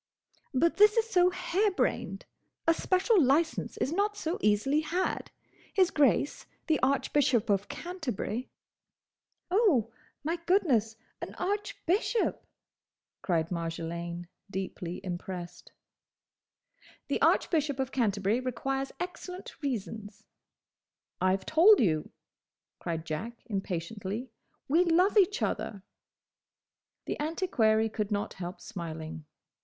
"But this is so harebrained! A special licence is not so easily had. His Grace, the Archbishop of Canterbury—" "Oh, my goodness! an _Arch_bishop!"—cried Marjolaine, deeply impressed. "The Archbishop of Canterbury requires excellent reasons." "I 've told you," cried Jack impatiently, "we love each other!" The antiquary could not help smiling.